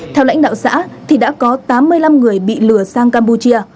theo lãnh đạo xã thì đã có tám mươi năm người bị lừa sang campuchia